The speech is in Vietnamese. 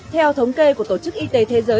theo thống kê của tổ chức y tế thành phố